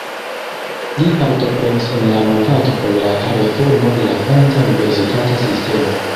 Li partoprenis en la movado por la reformo de la franca universitata sistemo.